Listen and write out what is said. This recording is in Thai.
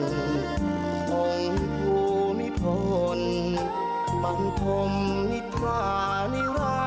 ส่วนอีกหนึ่งบทเพลงนะคะเพลงทูนกระหม่อมแก้วค่ะ